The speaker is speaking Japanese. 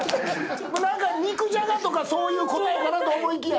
何か肉じゃがとかそういう答えかなと思いきや。